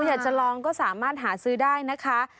อยากจะลองก็สามารถหาซื้อได้นะคะ